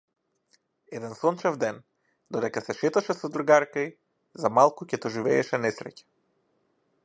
Еден сончев ден, додека се шеташе со другарка ѝ, за малку ќе доживееше несреќа.